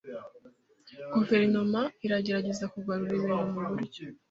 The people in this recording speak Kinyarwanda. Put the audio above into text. Guverinoma iragerageza kugarura ibintu mu buryo.